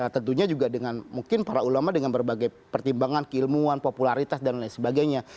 tentunya juga dengan mungkin para ulama dengan berbagai pertimbangan keilmuan popularitas dan lain sebagainya